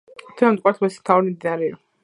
მდინარე "მტკვარი" თბილისის მთავარი მდინარეა.